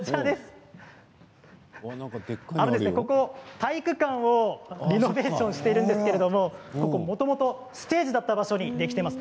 体育館をリノベーションしているんですけれどもともとステージだった場所にできています。